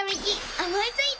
おもいついた！